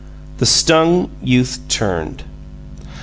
The stung youth turned.